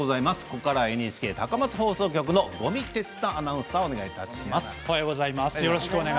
ここからはＮＨＫ高松放送局の五味哲太アナウンサーです。